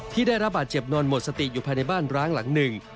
ที่ได้รับบาดเจ็บนอนหมดสติอยู่ภายในบ้านร้างหลังหนึ่ง